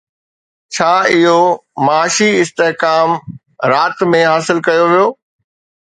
ڇا اهو معاشي استحڪام رات ۾ حاصل ڪيو ويو؟